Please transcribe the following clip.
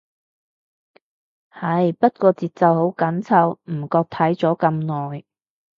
係，不過節奏好緊湊，唔覺睇咗咁耐